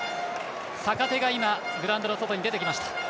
坂手がグラウンドの外に出てきました。